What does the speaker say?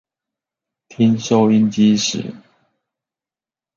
聽收音機時